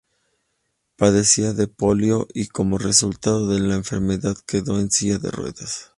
Padecía de polio, y como resultado de la enfermedad quedó en silla de ruedas.